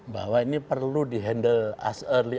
bahwa ini perlu di handle ust early